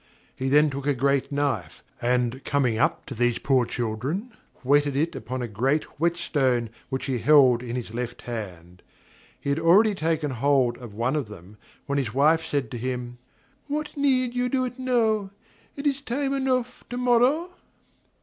He then took a great knife, and coming up to these poor children, whetted it upon a great whet stone which he held in his left hand. He had already taken hold of one of them, when his wife said to him: "What need you do it now? It is time enough to morrow?"